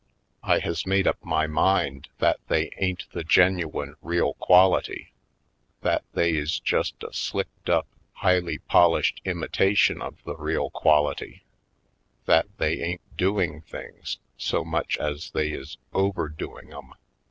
I has made up my mind that they ain't the genuine real quality; that they is just a slicked up, highly polished imitation of the real quality; that they ain't doing things so much as they is overdoing 'em.